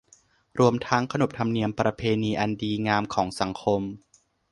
รวมทั้งขนบธรรมเนียมประเพณีอันดีงามของสังคม